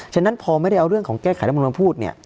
ฉะนั้นพอไม่ได้เอาเรื่องของแก้ไขรัฐมนุนมาพูดเนี่ย